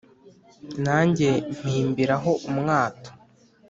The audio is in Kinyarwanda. nange mpimbiraho umwato